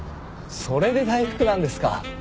それで大福なんですか。